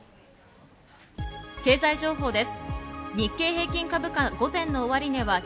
経済情報です。